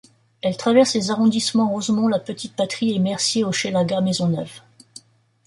Elle traverse les arrondissements Rosemont–La Petite-Patrie et Mercier—Hochelaga-Maisonneuve.